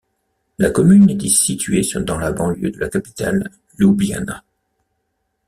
La commune est située dans la banlieue de la capitale Ljubljana.